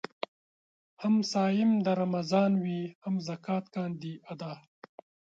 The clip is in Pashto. هم صايم د رمضان وي هم زکات کاندي ادا